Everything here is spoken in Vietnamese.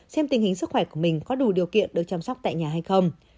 xem tình hình sức khỏe của mình có đủ điều kiện được chăm sóc tại nhà hay không